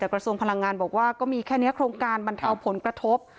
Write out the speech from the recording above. กระทรวงพลังงานบอกว่าก็มีแค่นี้โครงการบรรเทาผลกระทบ